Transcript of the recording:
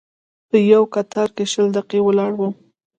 په یوه کتار کې شل دقیقې ولاړ وم.